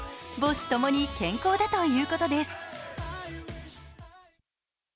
母子ともに健康だということです。